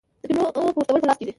د کینو پوستول په لاس کیږي.